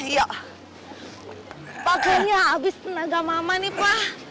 pak ganya abis tenaga mama nih pak